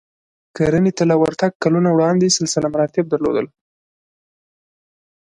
کرنې ته له ورتګ کلونه وړاندې سلسله مراتب درلودل